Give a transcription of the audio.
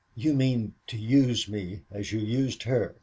"You mean to use me as you used her?"